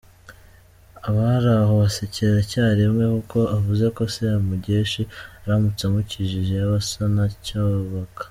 Abari aho basekera icyarimwe, kuko avuze ko Semugeshi aramutse amukijije yaba asa na Cyubaka.